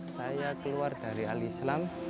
saya keluar dari alislam